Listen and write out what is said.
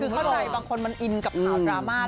คือเข้าใจบางคนมันอินกับข่าวดราม่า